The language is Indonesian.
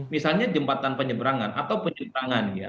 misalnya jembatan penyebrangan atau penyebrangan ya